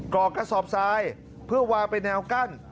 อกกระสอบทรายเพื่อวางเป็นแนวกั้น